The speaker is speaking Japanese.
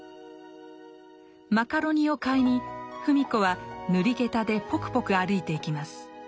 マカロニを買いに芙美子は塗り下駄でポクポク歩いていきます。